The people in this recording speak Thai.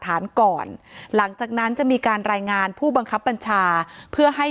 ฐานก่อนหลังจากนั้นจะมีการรายงานผู้บังคับบัญชาเพื่อให้